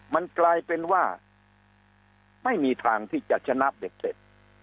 มันกลายเป็นว่าไม่มีทางที่จะชนะเบ็ดเสร็จ